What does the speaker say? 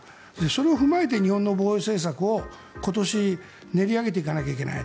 それを踏まえて日本の防衛政策を今年練り上げていかなきゃいけない